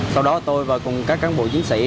sau đó tôi và các cán bộ chiến sĩ